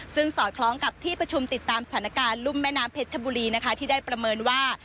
ซึ่งสอดคล้องกับที่ประชุมติดตามสถานการณ์รุ่มแม่น้ำเพชรชบุรีนะคะที่ได้ประเมินว่า